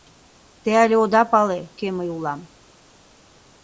Те але ода пале, кӧ мый улам.